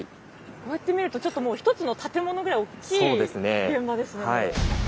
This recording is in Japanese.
こうやって見るとちょっともう一つの建物ぐらいおっきい現場ですね。